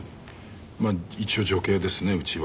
まあ一応女系ですねうちは。